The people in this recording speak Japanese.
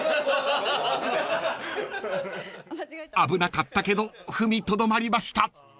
［危なかったけど踏みとどまりました］